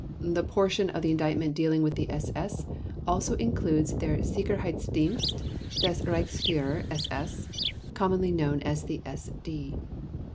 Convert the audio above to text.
The portion of the Indictment dealing with the SS also includes Der Sicherheitsdienst des Reichsführer SS (commonly known as the SD).